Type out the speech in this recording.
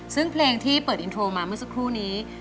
ซึ่งเพลงที่เปิดอินโทรมาเมื่อสักครู่นี้